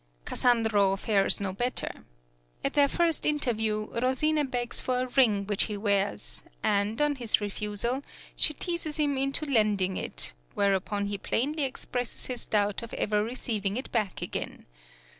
Cassandro fares no better. At their first interview, Rosine begs for a ring which he wears, and, on his refusal, she teases him into lending it, whereupon he plainly expresses his doubt of ever receiving it back again.